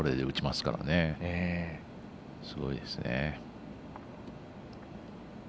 すごいですね。